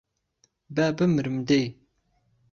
با بمرم دەی